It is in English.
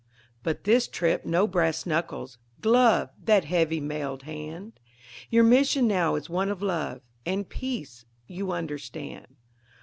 But this trip no brass knuckles. Glove That heavy mailed hand; Your mission now is one of Love And Peace you understand.